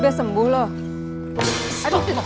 udah sembuh loh